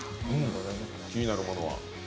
気になるものは？